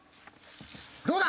どうだ？